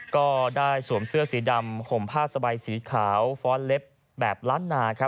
ก็ได้สวมเสื้อสีดำห่มผ้าสบายสีขาวฟ้อนเล็บแบบล้านนาครับ